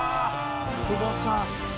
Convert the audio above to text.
「久保さん！」